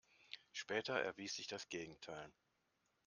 Später erwies sich das Gegenteil.